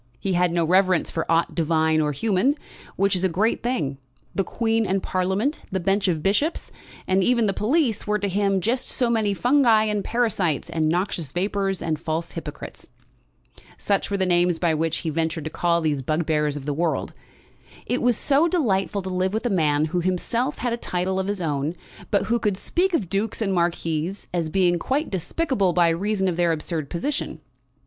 He had no reverence for aught divine or human, which is a great thing. The Queen and Parliament, the bench of bishops, and even the police, were to him just so many fungi and parasites, and noxious vapours, and false hypocrites. Such were the names by which he ventured to call these bugbears of the world. It was so delightful to live with a man who himself had a title of his own, but who could speak of dukes and marquises as being quite despicable by reason of their absurd position.